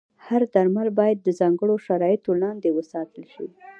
هر درمل باید د ځانګړو شرایطو لاندې وساتل شي.